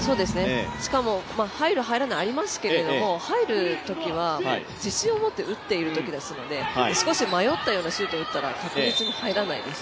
しかも、入る入らないありますけど、入るときは自信を持って打っているときなので少し迷ったようなシュートを打ったら確実に入らないです。